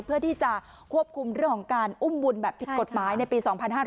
เพื่อที่จะควบคุมเรื่องของการอุ้มบุญแบบผิดกฎหมายในปี๒๕๕๙